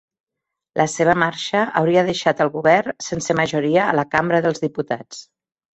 La seva marxa hauria deixat el govern sense majoria a la Cambra dels Diputats.